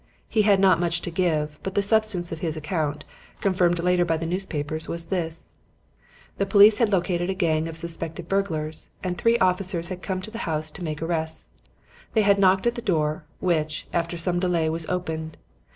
He had not much to give, but the substance of his account confirmed later by the newspapers was this: The police had located a gang of suspected burglars and three officers had come to the house to make arrests. They had knocked at the door, which, after some delay, was opened.